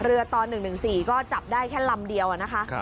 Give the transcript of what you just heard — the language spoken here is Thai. ตอน๑๑๔ก็จับได้แค่ลำเดียวนะคะ